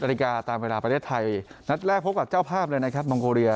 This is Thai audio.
นาฬิกาตามเวลาประเทศไทยนัดแรกพบกับเจ้าภาพเลยนะครับมองโกเรีย